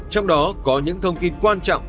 trong đó có những thông tin quan trọng